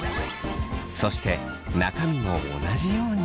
そして中身も同じように。